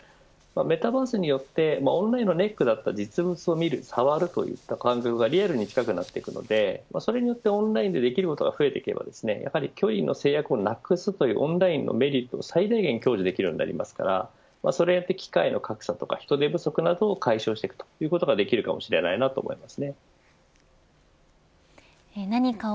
メタバースによってオンラインのネックだった実物を見る触るといった感情がリアルに近くなっていくのでそれによってオンラインでできることが増えていくと距離の制約をなくすというオンラインのメリットを最大限、享受できるようになりますから新人の森っているじゃんおお森くんね社外の人に上司の名前は呼び捨てでいいんだぞって教えたのそんで？